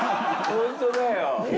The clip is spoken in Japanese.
ホントだ。